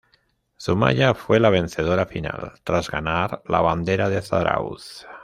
Zumaya fue la vencedora final tras ganar la bandera de Zarauz.